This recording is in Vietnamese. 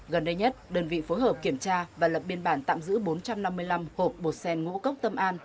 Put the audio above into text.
gần đây nhất đơn vị phối hợp kiểm tra và lập biên bản tạm giữ bốn trăm năm mươi năm hộp bột sen ngũ cốc tâm an